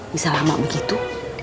bisa lama begitu